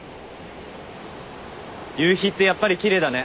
夕日ってやっぱり奇麗だね。